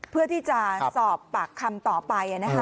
เพื่อที่จะสอบปากคำต่อไปนะคะ